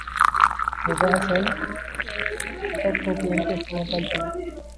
رضا حسن پر کوکین کے استعمال کا الزام